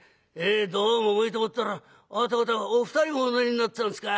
どうも重いと思ったらあなた方お二人もお乗りになってたんですか」。